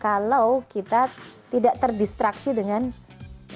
kalau kita tidak terdistraksi dengan ini nih ya